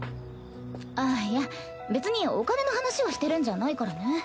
あっいや別にお金の話をしてるんじゃないからね。